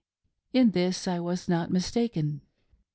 In this I was not mistaken.